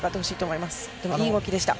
いい動きでした。